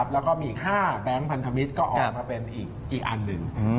แล้วก็มีอีก๕แบงค์พันธมิตรก็ออกมาเป็นอีกอันหนึ่ง